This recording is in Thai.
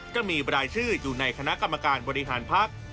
จะมีบรายชื่ออยู่ในคณะกรรมการบริหารภักดิ์